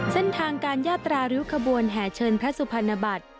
เส้นทางการยาตราริ้วขบวนแห่เชิญพระสุพรรณบัตร